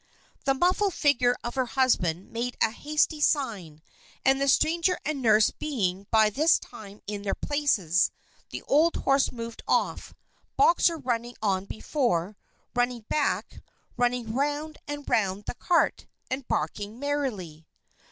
The muffled figure of her husband made a hasty sign; and the Stranger and nurse being by this time in their places, the old horse moved off, Boxer running on before, running back, running round and round the cart, and barking merrily.